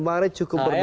mbak re cukup berdoa